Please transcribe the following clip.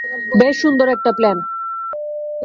বেশ সুন্দর একটা প্লেন।